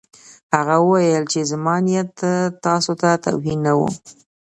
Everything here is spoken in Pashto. هغه وویل چې زما نیت تاسو ته توهین نه و